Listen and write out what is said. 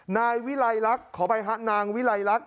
นายวิรัยรักขอไปหานางวิรัยรัก